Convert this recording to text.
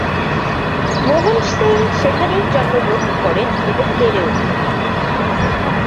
মোহন সিং সেখানেই জন্মগ্রহণ করেন এবং বেড়ে ওঠেন।